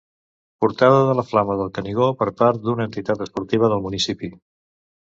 Portada de la flama del Canigó per part d'una entitat esportiva del municipi.